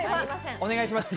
お願いします。